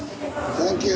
サンキュー。